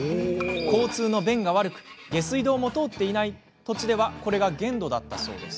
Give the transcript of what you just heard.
交通の便が悪く下水道も通っていない土地ではこれが限度だったそうです。